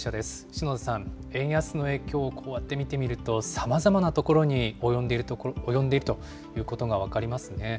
篠田さん、円安の影響、こうやって見てみると、さまざまなところに及んでいるということが分かりますね。